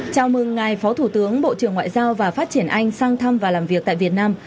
chào mừng ngài phó thủ tướng bộ trưởng ngoại giao và phát triển anh sang thăm và làm việc tại việt nam